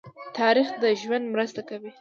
تاریخ د ژوند مرسته کوي.